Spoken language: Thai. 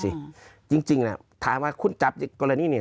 สิอ่าจริงจริงอ่ะถามว่าคุณจับกรณีเนี้ย